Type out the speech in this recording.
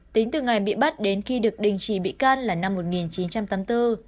tính từ ngày bị bắt đến khi được đình chỉ bị can là năm một nghìn chín trăm tám mươi bốn